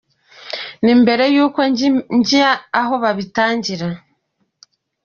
Ni mbere y’uko njya imbere aho babitangira.